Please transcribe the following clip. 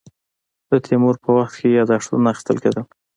د تیمور په وخت کې یاداښتونه اخیستل کېدل.